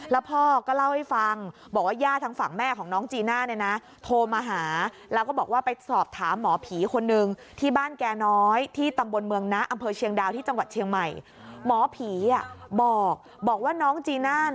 แล้วพ่อก็เล่าให้ฟังบอกว่าญาติทั้งฝั่งแม่ของน้องจีน่า